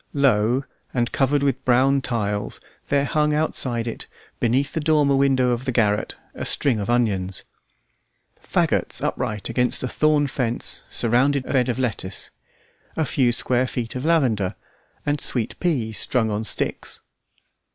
Low and covered with brown tiles, there hung outside it, beneath the dormer window of the garret, a string of onions. Faggots upright against a thorn fence surrounded a bed of lettuce, a few square feet of lavender, and sweet peas strung on sticks.